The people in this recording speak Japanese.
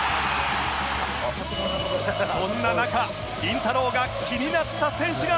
そんな中りんたろー。が気になった選手が